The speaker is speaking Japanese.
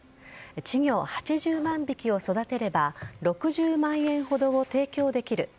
稚魚８０万匹を育てれば６０万円ほどを提供できる。